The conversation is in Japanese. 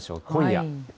今夜。